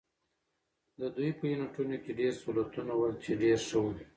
د دوی په یونیټونو کې ډېر سهولتونه ول، چې ډېر ښه وو.